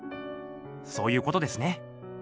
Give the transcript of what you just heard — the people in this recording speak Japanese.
そういうことですね。